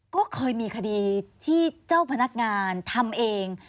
ก็เคยมีคดีที่เจ้าพนักงานทำเอง